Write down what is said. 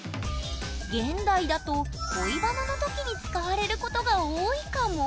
現代だと恋バナの時に使われることが多いかも？